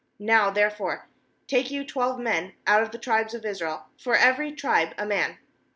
^Now there fore take you twelve men put of the tribes of Israel, for every tribe a man.